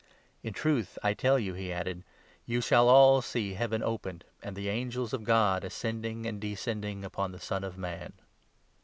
In truth I tell you, "he added, "you shall 51 all see Heaven open, and ' the angels of God ascending and descending ' upon the Son of Man."